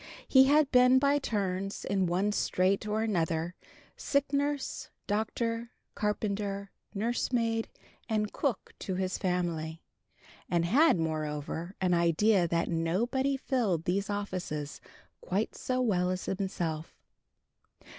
He had been, by turns, in one strait or another, sick nurse, doctor, carpenter, nursemaid and cook to his family, and had, moreover, an idea that nobody filled these offices quite so well as himself.